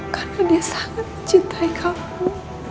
karena dia sangat mencintai kamu